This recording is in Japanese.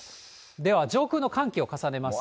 では上空の寒気を重ねますと。